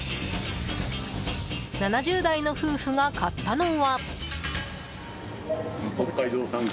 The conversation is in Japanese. ７０代の夫婦が買ったのは。